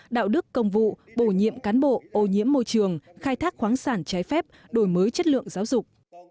đạo đức công vụ bổ nhiệm cán bộ ô nhiễm môi trường khai thác khoáng sản trái phép đổi mới chất lượng giáo dục